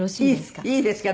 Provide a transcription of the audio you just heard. いいですか？